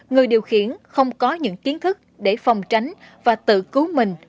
người điều khiển không có những kiến thức để phòng tránh và tự cứu mình